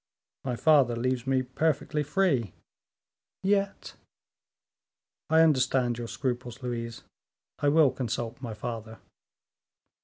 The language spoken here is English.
"My father leaves me perfectly free." "Yet " "I understand your scruples, Louise; I will consult my father."